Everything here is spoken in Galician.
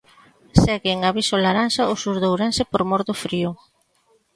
Segue en aviso laranxa o sur de Ourense por mor do frío.